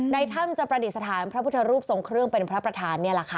ในถ้ำจะประดิษฐานพระพุทธรูปทรงเครื่องเป็นพระประธานนี่แหละค่ะ